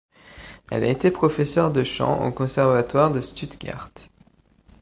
Elle a été professeure de chant au conservatoire de Stuttgart.